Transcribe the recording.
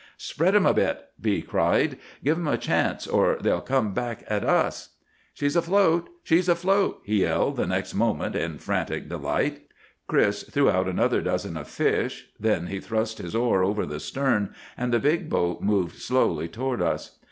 "'Spread them a bit!' B—— cried. 'Give them all a chance, or they'll come back at us.' "'She's afloat! she's afloat!' he yelled the next moment, in frantic delight. "Chris threw out another dozen of fish. Then he thrust his oar over the stern, and the big boat moved slowly toward us.